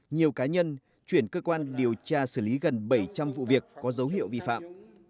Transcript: nhiều cá nhân chuyển cơ quan điều tra xử lý gần bảy trăm linh vụ việc có dấu hiệu vi phạm